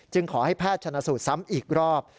ขอให้แพทย์ชนะสูตรซ้ำอีกรอบ